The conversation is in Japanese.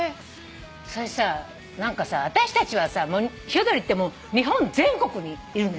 それでさ何か私たちはさ。ヒヨドリってもう日本全国にいるのよ。